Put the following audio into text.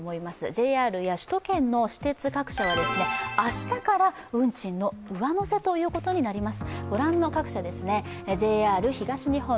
ＪＲや首都圏の私鉄各社は明日から運賃の上乗せということになります。